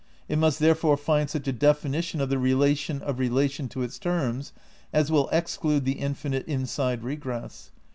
It must there fore find such a definition of the relation of relation to its terms as will exclude the infinite inside regress.